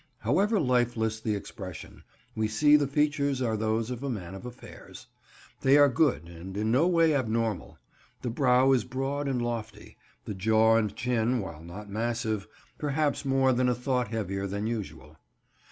However lifeless the expression, we see the features are those of a man of affairs. They are good and in no way abnormal. The brow is broad and lofty; the jaw and chin, while not massive, perhaps more than a thought heavier than usual.